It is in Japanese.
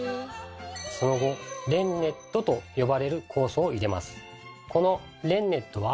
その後「レンネット」と呼ばれる酵素を入れます。